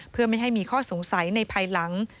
เพื่อไม่ให้มีข้อสงสัยในภายหลัง